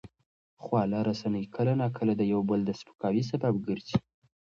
خواله رسنۍ کله ناکله د یو بل د سپکاوي سبب ګرځي.